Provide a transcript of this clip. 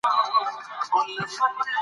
په بډو يا رشوت کې به هم ورکول کېدې.